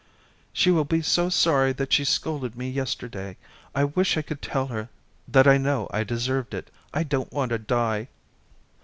"She will be so sorry that she scolded me yesterday. I wish I could tell her that I know I deserved it. I don't want to die."